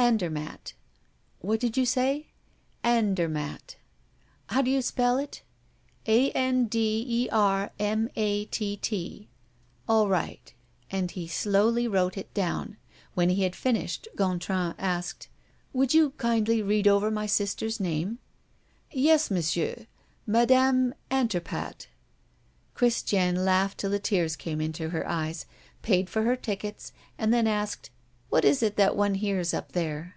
"Andermatt." "What did you say?" "Andermatt." "How do you spell it?" "A n d e r m a t t." "All right." And he slowly wrote it down. When he had finished, Gontran asked: "Would you kindly read over my sister's name?" "Yes, Monsieur! Madame Anterpat." Christiane laughed till the tears came into her eyes, paid for her tickets, and then asked: "What is it that one hears up there?"